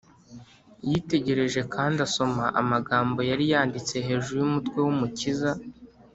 yitegereje kandi asoma amagambo yari yanditse hejuru y’umutwe w’umukiza